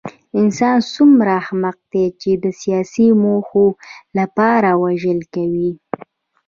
انسان څومره احمق دی چې د سیاسي موخو لپاره وژل کوي